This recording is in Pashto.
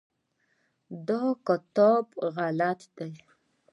دا د کاتب غلطي ده.